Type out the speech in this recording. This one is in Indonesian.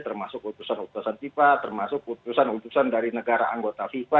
termasuk utusan utusan fifa termasuk putusan utusan dari negara anggota fifa